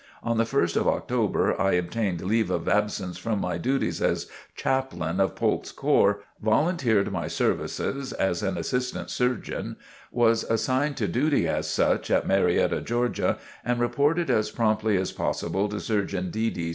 On the 1st of October, I obtained leave of absence from my duties as Chaplain of Polk's corps, volunteered my services as an Assistant Surgeon, was assigned to duty as such at Marietta, Georgia, and reported as promptly as possible to Surgeon D. D.